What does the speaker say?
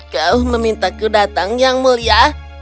kau memintaku datang yang mulia